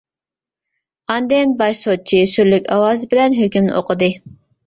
ئاندىن باش سوتچى سۈرلۈك ئاۋازى بىلەن ھۆكۈمنى ئوقۇدى.